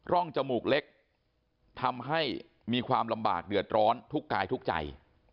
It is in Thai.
จมูกเล็กทำให้มีความลำบากเดือดร้อนทุกกายทุกใจ